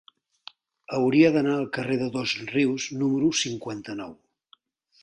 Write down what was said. Hauria d'anar al carrer de Dosrius número cinquanta-nou.